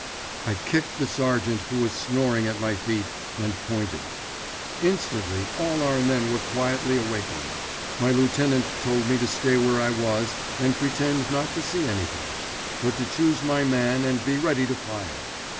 "I kicked the sergeant who was snoring at my feet and pointed. Instantly all our men were quietly awakened. My lieutenant told me to stay where I was and pretend not to see anything; but to choose my man and be ready to fire.